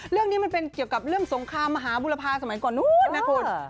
เรื่องนี้มันเป็นเกี่ยวกับเรื่องสงครามมหาบุรพาสมัยก่อนนู้นนะคุณ